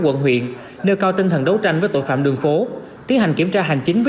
quận huyện nêu cao tinh thần đấu tranh với tội phạm đường phố tiến hành kiểm tra hành chính với